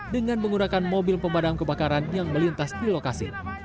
dengan menggunakan mobil pemadam kebakaran yang melintas di lokasi